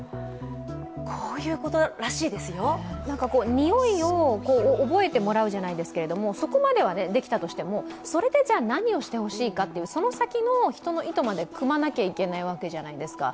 匂いを覚えてもらうじゃないですけれども、そこまではできたとしても、それでじゃあ何をしてほしいかっていう、その先の人の意図までくまなきゃいけないわけじゃないですか。